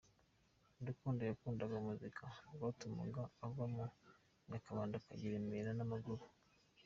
Urukundo yakundaga muzika rwatumaga ava mu Nyakabanda akajya i Remera n’amaguru.